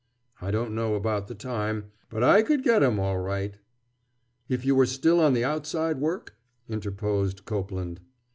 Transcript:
"I don't know about the time! But I could get him, all right." "If you were still on the outside work?" interposed Copeland.